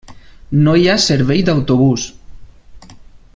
No hi ha servei d'autobús.